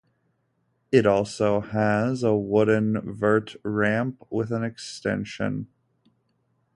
It also has a wooden vert ramp with a extension.